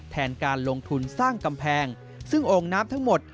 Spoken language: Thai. แทนการลงทุนสร้างกำแพงซึ่งโอ่งน้ำทั้งหมด